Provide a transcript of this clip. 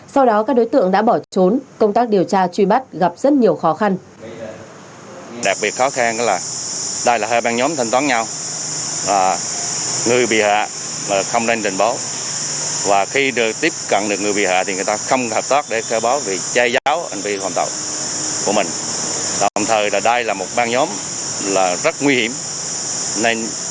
sau đó các đối tượng đã bỏ trốn công tác điều tra truy bắt gặp rất nhiều khó khăn